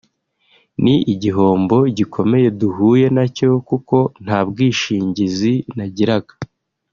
ni igihombo gikomeye duhuye nacyo kuko nta bwishingizi nagiraga”